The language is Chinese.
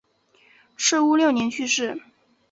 赤乌六年去世。